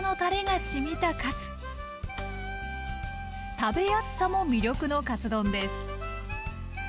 食べやすさも魅力のカツ丼です。